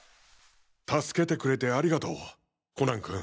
助けてくれてありがとうコナン君。